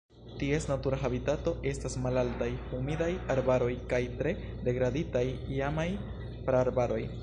Ties natura habitato estas malaltaj humidaj arbaroj kaj tre degraditaj iamaj praarbaroj.